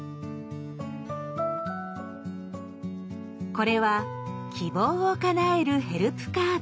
これは「希望をかなえるヘルプカード」。